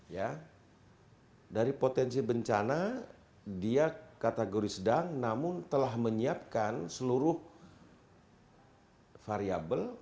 ya dari potensi bencana dia kategori sedang namun telah menyiapkan seluruh variable